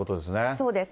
そうです。